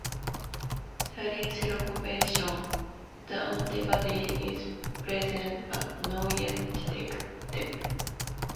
During seroconversion, the antibody is present but not yet detectable.